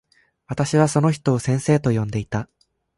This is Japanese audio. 私はその人を先生と呼んでいた。